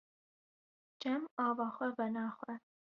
Çem ava xwe venaxwe.